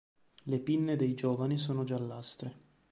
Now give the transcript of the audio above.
Le pinne dei giovani sono giallastre.